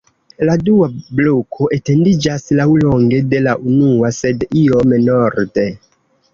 La dua bloko etendiĝas laŭlonge de la unua, sed iom norde.